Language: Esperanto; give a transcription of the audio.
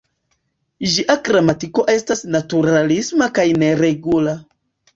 Ĝia gramatiko estas naturalisma kaj neregula.